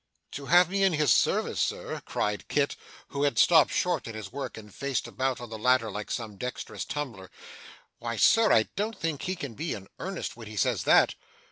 'To have me in his service, Sir?' cried Kit, who had stopped short in his work and faced about on the ladder like some dexterous tumbler. 'Why, Sir, I don't think he can be in earnest when he says that.